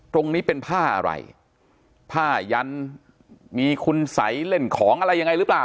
ตรงนี้เป็นผ้าอะไรผ้ายันมีคุณสัยเล่นของอะไรยังไงหรือเปล่า